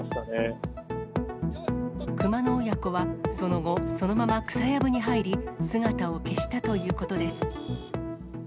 熊の親子はその後、そのまま草やぶに入り、姿を消したということです。